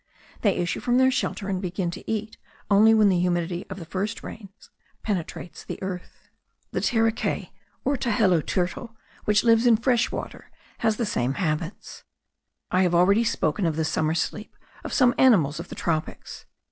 They issue from their shelter and begin to eat, only when the humidity of the first rains penetrates into the earth. The terekay, or tajelu turtle which lives in fresh water, has the same habits. I have already spoken of the summer sleep of some animals of the tropics.